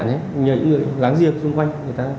nhờ những người gắn riêng xung quanh